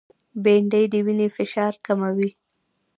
بېنډۍ د وینې فشار کموي